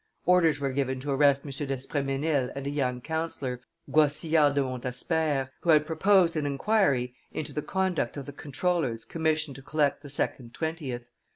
Orders were given to arrest M. d'Espremesnil and a young councillor, Goislard de Montsabert, who had proposed an inquiry into the conduct of the comptrollers commissioned to collect the second twentieth.